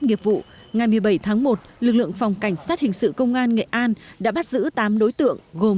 nghiệp vụ ngày một mươi bảy tháng một lực lượng phòng cảnh sát hình sự công an nghệ an đã bắt giữ tám đối tượng gồm